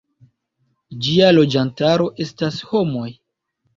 Ĝia loĝantaro estas homoj.